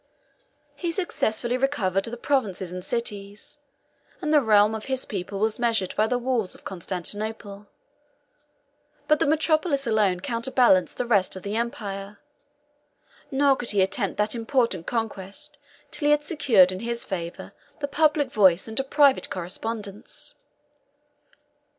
He successively recovered the provinces and cities; and the realm of his pupil was measured by the walls of Constantinople; but the metropolis alone counterbalanced the rest of the empire; nor could he attempt that important conquest till he had secured in his favor the public voice and a private correspondence.